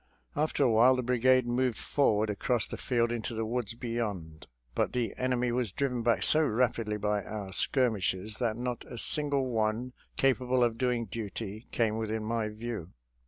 After a while the brigade moved forward across the field into the woods beyond, but the enemy was driven back so rapidly by our skirmishers that not a single one capable of doing duty came within my view.